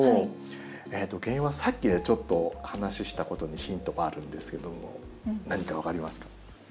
原因はさっきちょっと話ししたことにヒントがあるんですけども何か分かりますか？